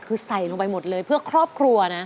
คือใส่ลงไปหมดเลยเพื่อครอบครัวนะ